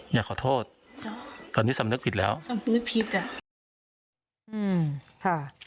อย่าขอโทษตอนนี้สำนึกผิดแล้วสำนึกผิดจ้ะ